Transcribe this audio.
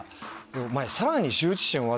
お前さらに。